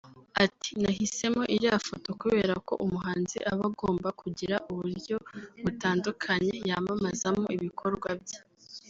Ati” Nahisemo iriya foto kubera ko umuhanzi aba agomba kugira uburyo butandukanye yamamazamo ibikorwa bye